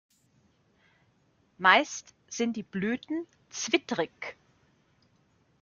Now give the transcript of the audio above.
Meist sind die Blüten zwittrig.